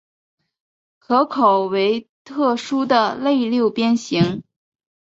壳口为特殊的类六边形。